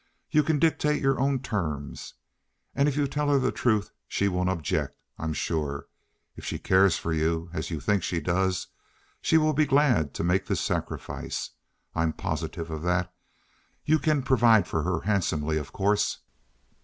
You can dictate your own terms. And if you tell her the truth she won't object, I'm sure. If she cares for you, as you think she does, she will be glad to make this sacrifice. I'm positive of that. You can provide for her handsomely, of course."